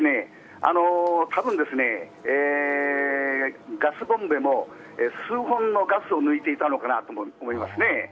多分ですね、ガスボンベの数本のガスを抜いていたのかなと思いますね。